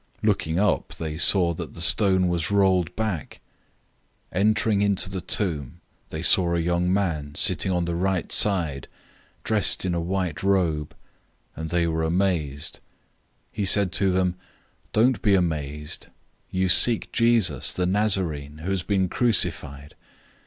Looking up, they saw that the stone was rolled back. 016:005 Entering into the tomb, they saw a young man sitting on the right side, dressed in a white robe, and they were amazed. 016:006 He said to them, "Don't be amazed. You seek Jesus, the Nazarene, who has been crucified.